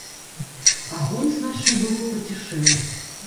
Агонь, значна было, пацішэў.